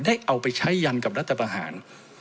เอาไปใช้ยันกับรัฐประหาร